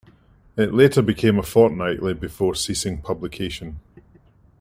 It later became a fortnightly before ceasing publication.